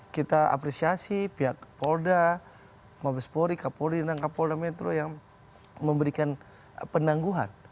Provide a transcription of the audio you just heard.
kita apresiasi pihak polda mabespori kapolri dan kapolda metro yang memberikan penangguhan